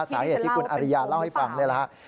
สาเหตุที่คุณอริยาเล่าให้ฟังเลยนะฮะ